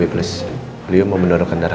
oke kamu tunggu rena ya